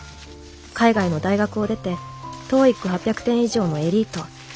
海外の大学を出てＴＯＥＩＣ８００点以上のエリート。